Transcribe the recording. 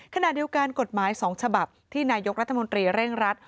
ขณะเดียวกันกฎหมาย๒ฉบับที่นายกรัฐมนตรีเร่งรัด